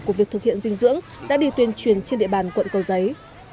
của việc thực hiện dinh dưỡng đã đi tuyên truyền trên địa bàn quận cầu giấy